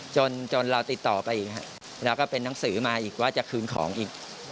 จนเราติดต่อไปอีกแล้วก็เป็นหนังสือมาอีกว่าจะคืนของอีก